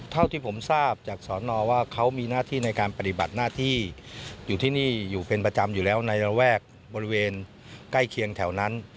เท่าที่ผมทราบจากสอนอว่าเขามีหน้าที่ในการปฏิบัติหน้าที่อยู่ที่นี่อยู่เป็นประจำอยู่แล้วในระแวกบริเวณใกล้เคียงแถวนั้น